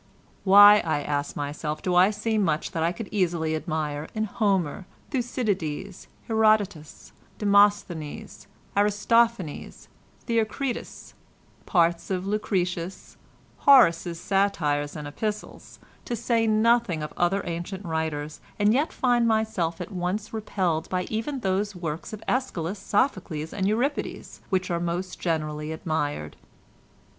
"Why, I ask myself, do I see much that I can easily admire in Homer, Thucydides, Herodotus, Demosthenes, Aristophanes, Theocritus, parts of Lucretius, Horace's satires and epistles, to say nothing of other ancient writers, and yet find myself at once repelled by even those works of Æschylus, Sophocles and Euripides which are most generally admired.